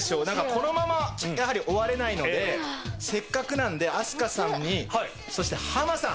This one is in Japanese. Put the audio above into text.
このままやはり終われないのでせっかくなので飛鳥さんにそしてハマさん。